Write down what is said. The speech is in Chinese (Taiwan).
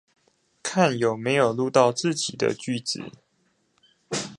看有沒有錄到自己的句子